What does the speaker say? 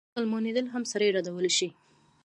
مسلمانېدل هم سړی ردولای شي.